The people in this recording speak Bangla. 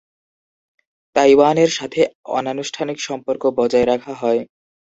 তাইওয়ানের সাথে অনানুষ্ঠানিক সম্পর্ক বজায় রাখা হয়।